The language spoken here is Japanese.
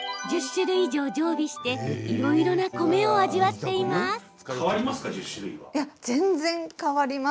１０種類以上常備していろいろな米を味わっています。